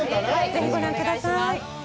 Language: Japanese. ぜひご覧ください。